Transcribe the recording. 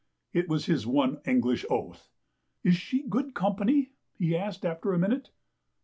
It was his one English oath. " Is she good company ?" he asked after a minute.